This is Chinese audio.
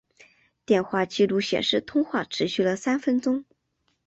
电话记录显示通话持续了三分钟。